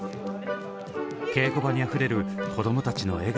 稽古場にあふれるこどもたちの笑顔。